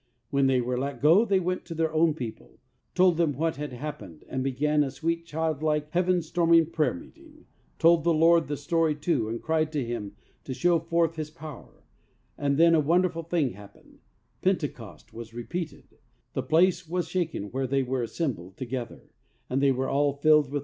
When they were let go they went to their own people, told them what had happened, and began a sweet, childHke, Heaven storming prayer meeting, told the Lord the story, too, and cried to Him to show forth His power, and then a wonderful thing happened; Pentecost was repeated; "the place was shaken where they were assem bled together, and they were all filled with THE RENEWING OF POWER.